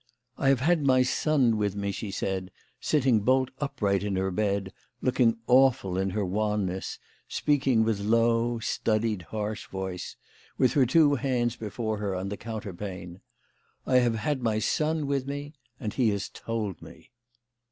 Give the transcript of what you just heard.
" I have had my son with me," she said, sitting bolt upright in her bed, looking awful in her wanness, speaking with low, studied, harsh voice, with her two THE LADY OF LAUNAY. 135 hands before her on the counterpane. " I have had my son with me and he has told me."